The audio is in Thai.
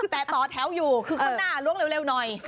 แต่ต่อแถวอยู่คือข้างหน้าล้วงเร็วหน่อย